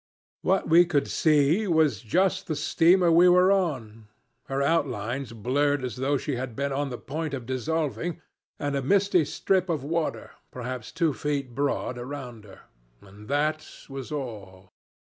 What we could see was just the steamer we were on, her outlines blurred as though she had been on the point of dissolving, and a misty strip of water, perhaps two feet broad, around her and that was all.